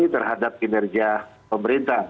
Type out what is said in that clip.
terhadap kinerja pemerintah